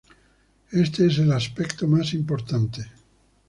Este es el aspecto más importante.